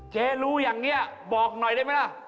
เจ๊รู้อย่างนี้บอกหน่อยได้ไหมล่ะ